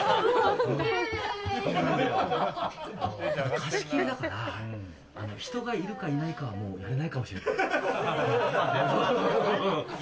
貸切だから人がいるかいないかはもうやらないかもしれない。